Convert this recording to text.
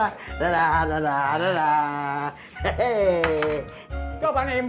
ini udah enak